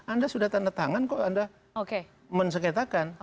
anda sudah tanda tangan kok anda menseketakan